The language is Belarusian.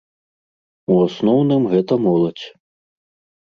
У асноўным гэта моладзь.